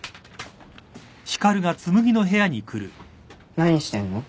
何してんの？